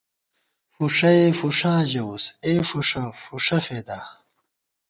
فُݭَئے فُݭاں ژَوُس ، اے فُݭہ فُݭہ فېدا